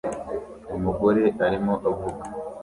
Umugore arimo avuga